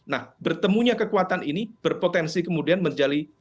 nah bertemunya kekuatan ini berpotensi kemudian menjadi